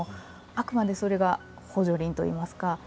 あくまで、それは補助輪といいますか。